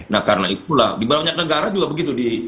nah karena itulah di banyak negara juga begitu